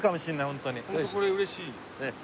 ホントこれ嬉しい。